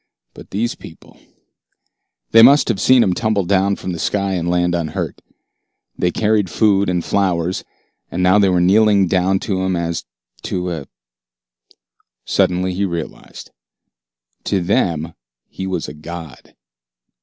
But these people They must have seen him tumble down from the sky and land unhurt. They carried food and flowers, and now they were kneeling down to him as to a Suddenly he realized. To them he was a god.